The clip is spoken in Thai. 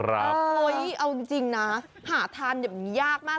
ครับเอายังจริงณผ่าทานยังยากมาก